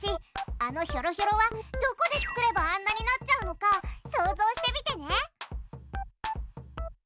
あのひょろひょろはどこで作ればあんなになっちゃうのか想像してみてね。